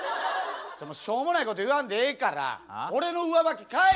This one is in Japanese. しょうもないこと言わんでええから俺の上履き返せって。